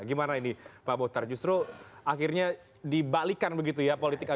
gimana ini pak bokhtar justru akhirnya dibalikan begitu ya politik